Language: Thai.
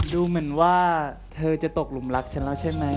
ดูเหมือนว่าเธอจะตกหลุมรักฉันแล้วใช่ไหม